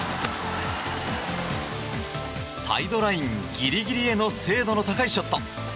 サイドラインギリギリへの精度の高いショット。